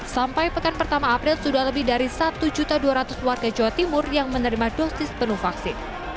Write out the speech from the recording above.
sampai pekan pertama april sudah lebih dari satu dua ratus warga jawa timur yang menerima dosis penuh vaksin